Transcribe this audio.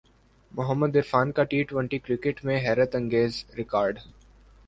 محمد عرفان کا T twenty cricket میں حیرت انگیز ریکارڈ